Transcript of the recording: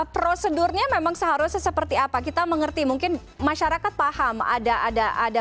prosedurnya memang seharusnya seperti apa kita mengerti mungkin masyarakat paham ada ada